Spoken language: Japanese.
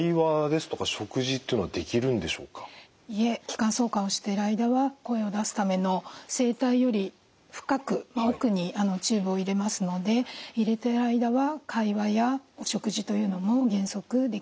いえ気管挿管をしている間は声を出すための声帯より深く奥にチューブを入れますので入れている間は会話やお食事というのも原則できません。